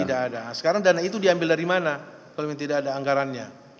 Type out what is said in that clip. tidak ada sekarang dana itu diambil dari mana kalau memang tidak ada anggarannya